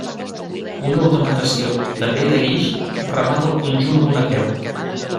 Una ornamentació també de guix remata el conjunt amb una creu.